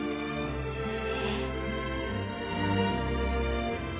えっ